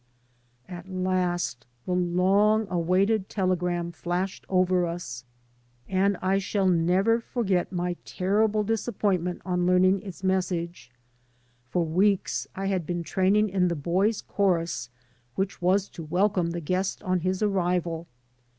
'* At last the long awaited telegram flashed over us, and I shall never forget my terrible disappointment on leammg its message. For weeks I had been training in the boys' chorus which was to welcome the guest on his arrival.